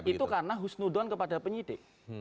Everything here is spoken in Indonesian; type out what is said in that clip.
itu karena husnudon kepada penyidik